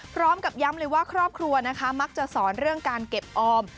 พร้อมกับย้ำเลยว่าครอบครัวนะคะมักจะสอนเรื่องการเก็บออม